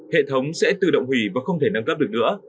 hệ thống sẽ tự động hủy và không thể nâng cấp được nữa